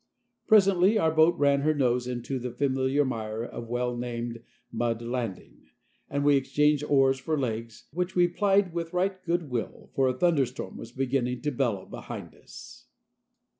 Presently our boat ran her nose into the familiar mire of well named Mud Landing, and we exchanged oars for legs, which we plied with right good will, for a thunderstorm was beginning to bellow behind us.